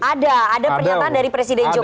ada ada pernyataan dari perintah